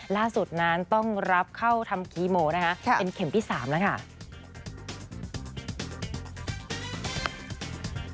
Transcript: ล่าสุดนั้นต้องรับเข้าทำคีโมนะคะเป็นเข็มที่๓แล้วค่ะ